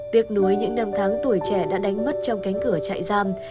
tiệc núi những năm tháng tuổi trẻ đã đánh mất trong cánh cửa chạy ra